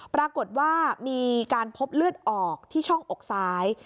ปรากฏว่ามีการพบเลือดออกที่ช่องอกซ้าย